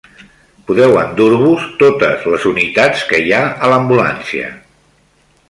Podeu endur-vos totes les unitats que hi ha a l'ambulància